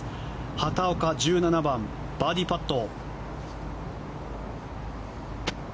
畑岡、１７番バーディーパット。